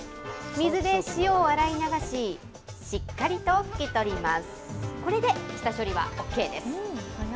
水で塩を洗い流し、しっかりと拭き取ります。